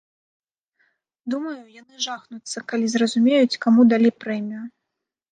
Думаю, яны жахнуцца, калі зразумеюць, каму далі прэмію.